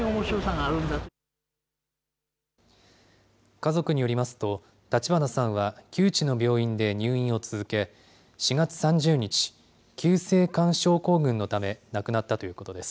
家族によりますと、立花さんは旧知の病院で入院を続け、４月３０日、急性冠症候群のため亡くなったということです。